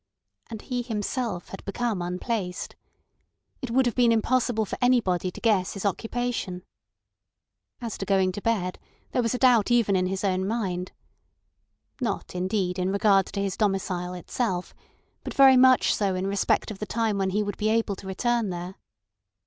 And he himself had become unplaced. It would have been impossible for anybody to guess his occupation. As to going to bed, there was a doubt even in his own mind. Not indeed in regard to his domicile itself, but very much so in respect of the time when he would be able to return there.